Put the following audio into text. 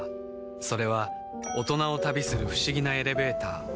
それは大人を旅する不思議なエレベーター